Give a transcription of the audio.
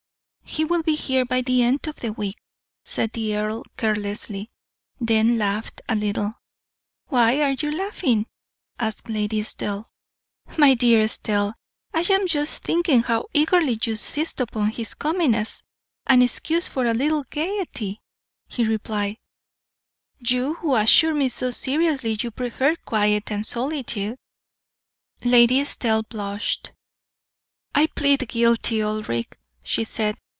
"He will be here by the end of the week," said the earl, carelessly; then he laughed a little. "Why are you laughing?" asked Lady Estelle. "My dear Estelle, I am just thinking how eagerly you seized upon his coming as an excuse for a little gayety," he replied; "you who assured me so seriously you preferred quiet and solitude." Lady Estelle blushed. "I plead guilty, Ulric," she said.